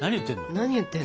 何言ってんの？